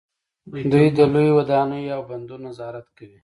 دوی د لویو ودانیو او بندونو نظارت کوي.